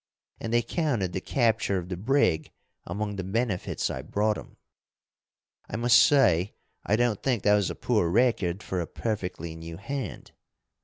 And they counted the capture of the brig among the benefits I brought 'em. I must say I don't think that was a poor record for a perfectly new hand.